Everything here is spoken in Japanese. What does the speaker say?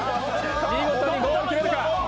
見事にゴール決めるか？